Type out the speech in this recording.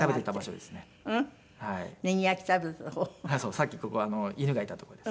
さっきここ犬がいた所です。